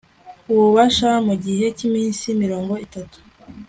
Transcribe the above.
ububasha mu gihe cy iminsi mirongo itatu